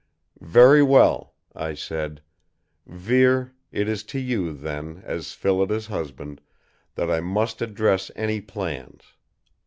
"Very well," I said. "Vere, it is to you, then, as Phillida's husband, that I must address any plans.